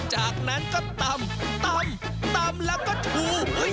จากนั้นก็ตำตำแล้วก็ชู